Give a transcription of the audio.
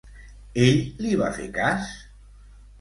Ell li va fer cas?